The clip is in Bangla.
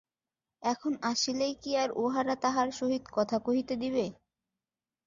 এখন আসিলেই কি আর উহারা তাহার সহিত কথা কহিতে দিবে?